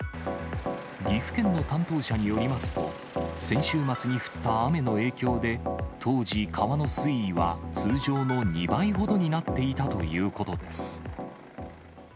岐阜県の担当者によりますと、先週末に降った雨の影響で、当時、川の水位は通常の２倍ほどになっていたということです。